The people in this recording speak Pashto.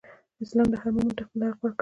اسلام هر مؤمن ته خپل حق ورکړی دئ.